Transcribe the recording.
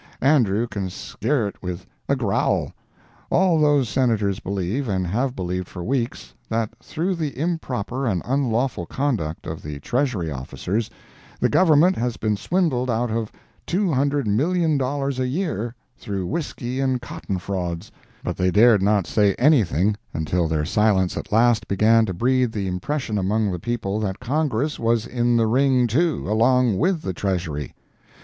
Andrew can scare it with a growl. All those Senators believe, and have believed for weeks, that through the improper and unlawful conduct of the Treasury officers, the Government has been swindled out of $200,000,000 a year, through whisky and cotton frauds, but they dared not say anything, until their silence at last began to breed the impression among the people that Congress was in the "ring" too, along with the Treasury!